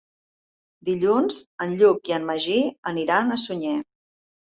Dilluns en Lluc i en Magí aniran a Sunyer.